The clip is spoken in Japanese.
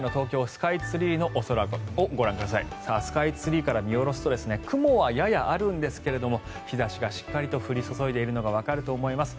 スカイツリーから見下ろすと雲はややあるんですが日差しがしっかりと降り注いでいるのがわかると思います。